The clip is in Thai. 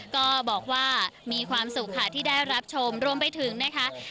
ก็บอกว่ามีความสุขค่ะที่ได้รับชมรวมไปถึงนะคะ